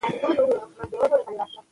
بریالي خلک مالي پلان لري.